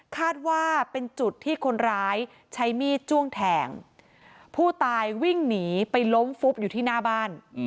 คาดว่าเป็นจุดที่คนร้ายใช้มีดจ้วงแทงผู้ตายวิ่งหนีไปล้มฟุบอยู่ที่หน้าบ้าน